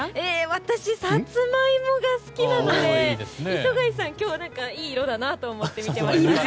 私はサツマイモが好きなので磯貝さん、今日いい色だなと思って見ていました。